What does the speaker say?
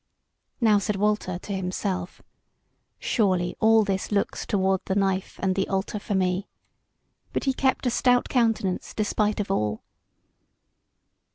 Now said Walter to himself: Surely all this looks toward the knife and the altar for me; but he kept a stout countenance despite of all.